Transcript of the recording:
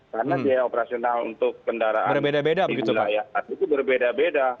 karena biaya operasional untuk kendaraan di wilayah satu itu berbeda beda